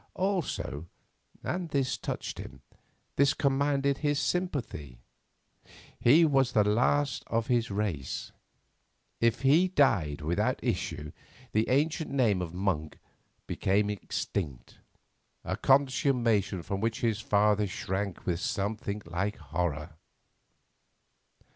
Also—and this touched him, this commanded his sympathy—he was the last of his race. If he died without issue the ancient name of Monk became extinct, a consummation from which his father shrank with something like horror.